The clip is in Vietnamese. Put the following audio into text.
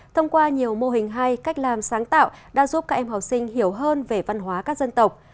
thông qua nhiều mô hình hay cách làm sáng tạo đã giúp các em học sinh hiểu hơn về văn hóa các dân tộc